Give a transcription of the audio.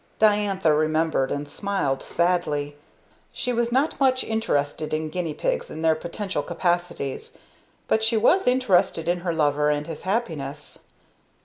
Diantha remembered and smiled sadly. She was not much interested in guinea pigs and their potential capacities, but she was interested in her lover and his happiness.